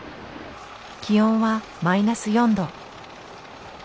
気温はマイナス４度。